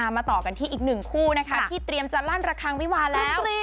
มาต่อกันที่อีกหนึ่งคู่นะคะที่เตรียมจะลั่นระคังวิวาแล้ว